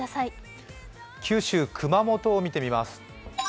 九州・熊本を見てみます。